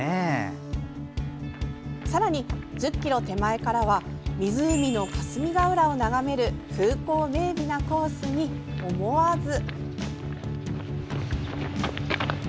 さらに、１０ｋｍ手前からは湖の霞ヶ浦を眺める風光明美なコースに、思わず。